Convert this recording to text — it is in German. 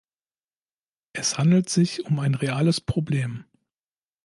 Es handelt sich um ein reales Problem.